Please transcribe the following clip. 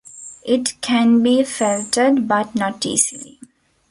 It can be felted, but not easily.